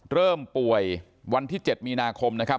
เริ่มป่วยวันที่๗มีนาคมนะครับ